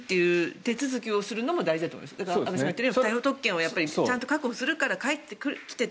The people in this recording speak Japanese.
安部さんが言っているように不逮捕特権を確保するから帰ってきてと。